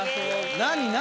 何？